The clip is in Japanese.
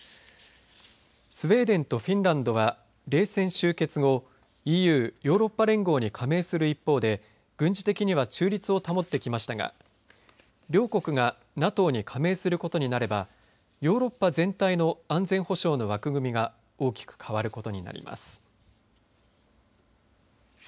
スウェーデンとフィンランドは冷戦終結後ＥＵ、ヨーロッパ連合に加盟する一方で軍事的には中立を保ってきましたが両国がＮＡＴＯに加盟することになればヨーロッパ全体の安全保障の枠組みが大きく変わることになります。